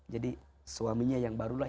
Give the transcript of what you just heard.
jadi suaminya yang barulah